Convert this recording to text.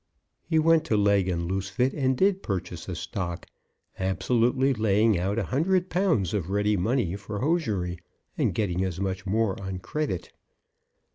He went to Legg and Loosefit and did purchase a stock, absolutely laying out a hundred pounds of ready money for hosiery, and getting as much more on credit.